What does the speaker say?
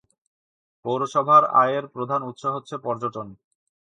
পৌরসভার আয়ের প্রধান উৎস হচ্ছে পর্যটন।